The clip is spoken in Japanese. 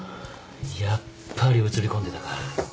やっぱり映りこんでたか。